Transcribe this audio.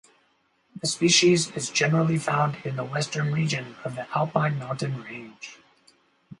The species is generally found in the western region of the Alpine mountain range.